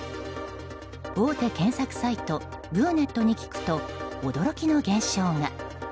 大手検索サイトグーネットに聞くと驚きの現象が。